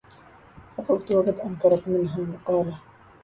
فقلت وقد أنكرت منه مقالة